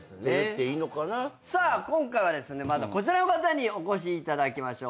さあ今回はまずはこちらの方にお越しいただきましょう。